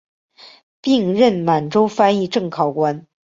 并任满洲翻译正考官。